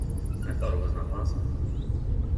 I thought it was not possible.